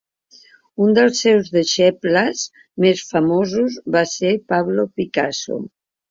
Un dels seus deixebles més famosos va ser Pablo Picasso.